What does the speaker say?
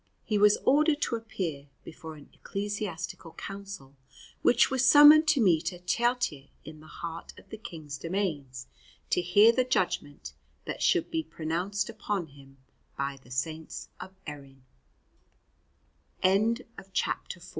He was ordered to appear before an ecclesiastical council which was summoned to meet at Teilte in the heart of the King's domains to hear the judgment that should be pronounced upon him by the Saints of E